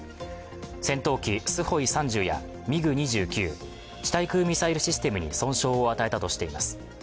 戦闘機スホイ３０やミグ２９、地対空ミサイルシステムに損傷を与えたとしています。